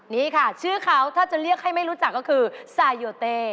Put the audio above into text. นี่ค่ะชื่อเขาถ้าจะเรียกให้ไม่รู้จักก็คือซาโยเต้